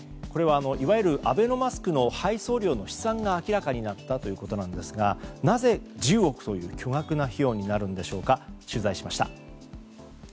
これはいわゆるアベノマスクの配送料の試算が明らかになったということなんですがなぜ１０億という巨額な費用になるのか取材しました。